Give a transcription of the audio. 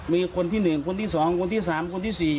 มีคนที่หนึ่งคนที่สองคนที่สามคนที่สี่